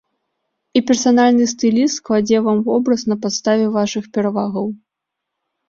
І персанальны стыліст складзе вам вобраз на падставе вашых перавагаў.